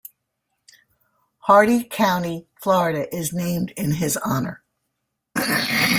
Hardee County, Florida is named in his honor.